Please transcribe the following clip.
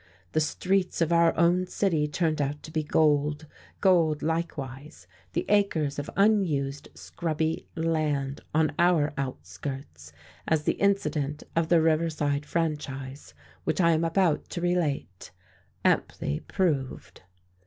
The streets of our own city turned out to be gold; gold likewise the acres of unused, scrubby land on our outskirts, as the incident of the Riverside Franchise which I am about to relate amply proved.